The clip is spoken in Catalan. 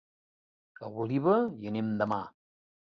A Oliva hi anem demà.